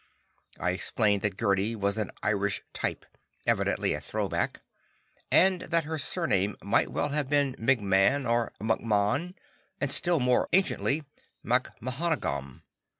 I explained that Gerdi was an Irish type, evidently a throwback, and that her surname might well have been McMann, or McMahan, and still more anciently "mac Mathghamhain."